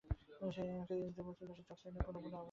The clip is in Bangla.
সেই একই প্রকারের বস্তুরাশি চক্রের ন্যায় পুনঃপুন আবর্তিত হইতেছে।